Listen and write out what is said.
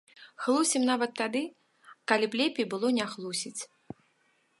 Хлусім нават тады, калі б лепей было не хлусіць.